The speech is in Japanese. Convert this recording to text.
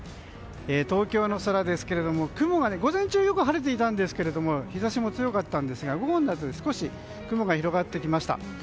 東京の空ですが、午前中はよく晴れていたんですが日差しも強かったんですが午後になって少し雲が広がってきました。